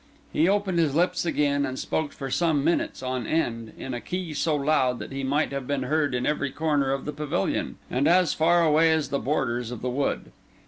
He opened his lips again, and spoke for some minutes on end, in a key so loud that he might have been heard in every corner of the pavilion, and as far away as the borders of the wood.